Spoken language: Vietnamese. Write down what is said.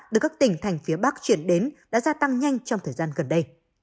được các tỉnh thành phía bắc chuyển đến đã gia tăng nhanh trong thời gian gần đây